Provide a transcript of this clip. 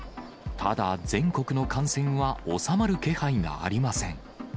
ただ全国の感染は収まる気配がありません。